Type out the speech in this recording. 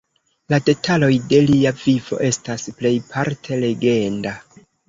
La detaloj de lia vivo estas plejparte legenda.